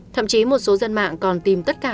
thậm chí một số dân mạng còn tìm tất cả